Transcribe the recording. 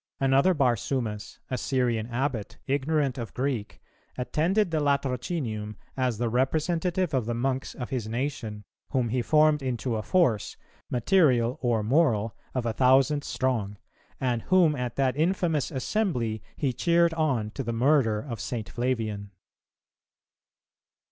Another Barsumas, a Syrian Abbot, ignorant of Greek, attended the Latrocinium, as the representative of the monks of his nation, whom he formed into a force, material or moral, of a thousand strong, and whom at that infamous assembly he cheered on to the murder of St. Flavian.